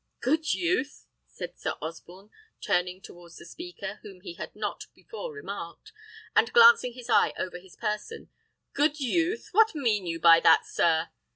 "Good youth!" said Sir Osborne, turning towards the speaker, whom he had not before remarked, and glancing his eye over his person; "good youth! what mean you by that, sir?"